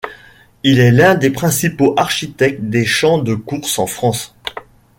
Il est l'un des principaux architectes des champs de courses en France.